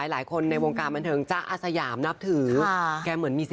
หลายคนในวงการบันเทิงจ๊ะอาสยามนับถือแกเหมือนมีสติ